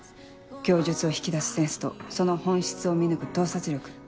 供述を引き出すセンスとその本質を見抜く洞察力。